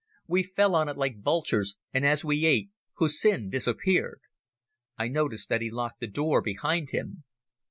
We fell on it like vultures, and as we ate Hussin disappeared. I noticed that he locked the door behind him.